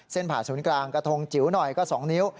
ผ่าศูนย์กลางกระทงจิ๋วหน่อยก็๒นิ้ว